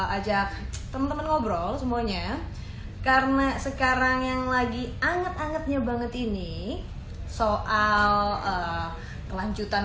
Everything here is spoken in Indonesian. ajak temen temen ngobrol semuanya karena sekarang yang lagi anget angetnya banget ini soal kelanjutan